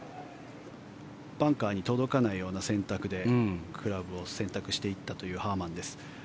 バンカーに届かないような選択でクラブを選択していったというハーマンです。